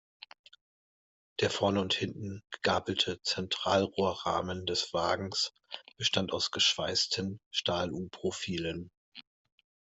Der vorne und hinten gegabelte Zentralrohrrahmen des Wagens bestand aus geschweißten Stahl-U-Profilen.